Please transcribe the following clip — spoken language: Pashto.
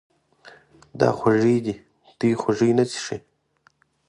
دا خوږې دي، دی خوږې نه څښي.